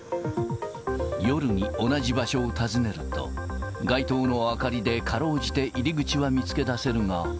夜に同じ場所を訪ねると、街灯の明かりでかろうじて入り口は見つけ出せるが。